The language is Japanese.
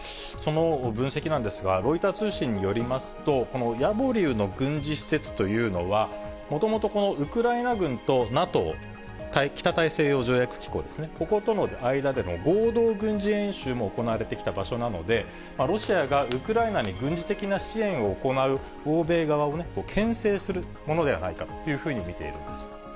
その分析なんですが、ロイター通信によりますと、このヤボリウの軍事施設というのは、もともとこのウクライナ軍とＮＡＴＯ・北大西洋条約機構ですね、こことの間での合同軍事演習も行われてきた場所なので、ロシアがウクライナに軍事的な支援を行う欧米側をけん制するものではないかというふうに見ているんです。